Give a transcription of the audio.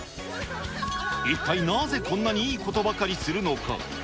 一体なぜこんなにいいことばかりするのか？